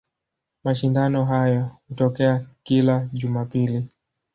Mashindano hayo hutokea kila Jumapili.